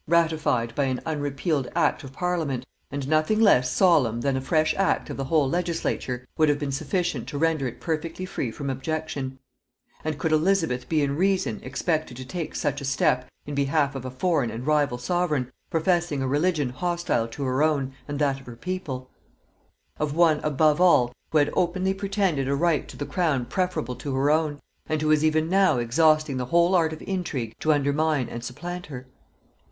ratified by an unrepealed act of parliament, and nothing less solemn than a fresh act of the whole legislature would have been sufficient to render it perfectly free from objection: and could Elizabeth be in reason expected to take such a step in behalf of a foreign and rival sovereign, professing a religion hostile to her own and that of her people; of one, above all, who had openly pretended a right to the crown preferable to her own, and who was even now exhausting the whole art of intrigue to undermine and supplant her?